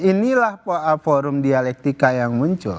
inilah forum dialektika yang muncul